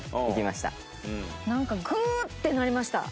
なんかグーッてなりました。